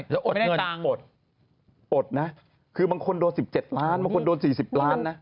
แล้วอดเงินหมดอดนะคือบางคนโดน๑๗ล้านบางคนโดน๔๐ล้านนะ